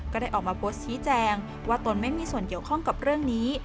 ก็ได้ออกมาโพสต์ชี้แจงว่าตนไม่มีส่วนเกี่ยวข้องกับเรื่องนี้